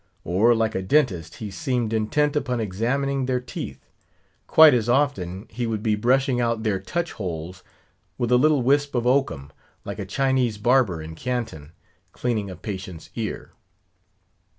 Or, like a dentist, he seemed intent upon examining their teeth. Quite as often, he would be brushing out their touch holes with a little wisp of oakum, like a Chinese barber in Canton, cleaning a patient's ear.